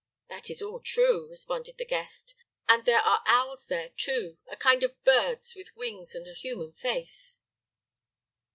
"That is all true," responded the guest; "and there are owls there, too, a kind of birds with wings and a human face."